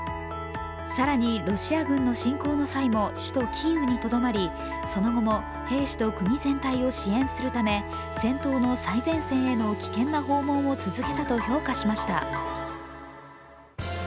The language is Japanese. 更にロシア軍の侵攻の際も首都キーウにとどまりその後も兵士と国全体を支援するため戦闘の最前線への危険な訪問を続けたと評価しました。